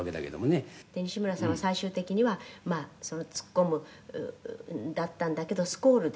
「西村さんは最終的には突っ込むだったんだけどスコールで」